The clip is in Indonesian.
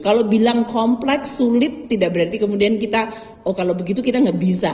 kalau bilang kompleks sulit tidak berarti kemudian kita oh kalau begitu kita nggak bisa